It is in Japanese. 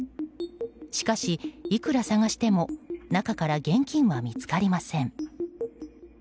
しかし、いくら探しても中から現金は見つかりません。